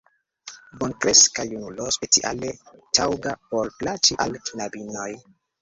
Bonkreska junulo, speciale taŭga, por plaĉi al knabinoj!